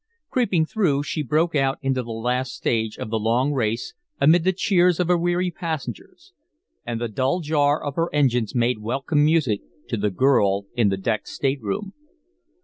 Creeping through, she broke out into the last stage of the long race, amid the cheers of her weary passengers; and the dull jar of her engines made welcome music to the girl in the deck state room.